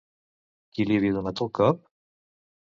Qui li havia donat el cop?